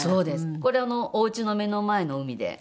これおうちの目の前の海で。